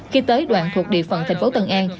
khi tới đoạn thuộc địa phận thành phố tân an